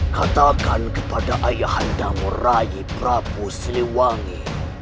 katakan kepada ayah anda meraih peramu siliwangi